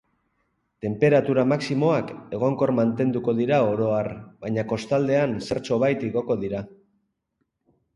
Tenperatura maximoak egonkor mantenduko dira oro har, baina kostaldean zertxobait igoko dira.